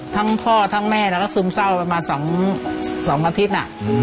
ทั้งพ่อทั้งแม่แล้วก็ซึมเศร้าประมาณ๒อาทิตย์